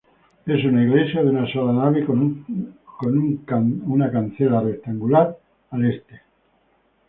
Es una iglesia de una sola nave, con un cancel rectangular al este.